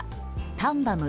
タンバム